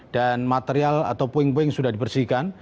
dan material atau poing poing sudah dibersihkan